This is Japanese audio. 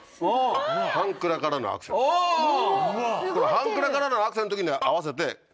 反クラからのアクセルの時に合わせて。